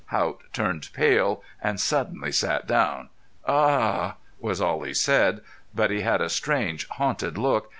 Haught turned pale and suddenly sat down. "Ahuh!" was all he said. But he had a strange hunted look.